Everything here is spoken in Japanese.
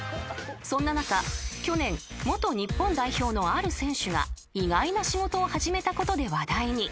［そんな中去年元日本代表のある選手が意外な仕事を始めたことで話題に］